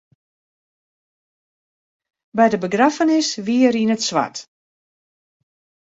By de begraffenis wie er yn it swart.